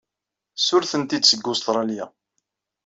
Ssurrten-t-id deg Ustṛalya.